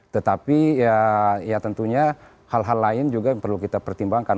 tetapi ya tentunya hal hal lain juga yang perlu kita pertimbangkan